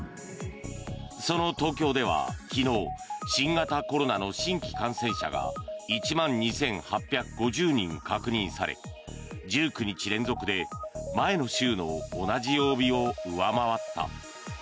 その東京では昨日新型コロナの新規感染者が１万２８５０人確認され１９日連続で前の週の同じ曜日を上回った。